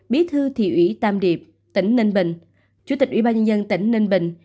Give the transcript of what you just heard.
bí thư thị ủy tam điệp tỉnh ninh bình chủ tịch ủy ban nhân dân tỉnh ninh bình